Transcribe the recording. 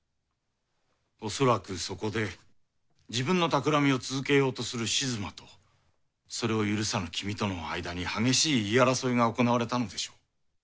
恐らくそこで自分の企みを続けようとする静馬とそれを許さぬ君との間に激しい言い争いが行われたのでしょう。